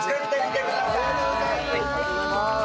ありがとうございます！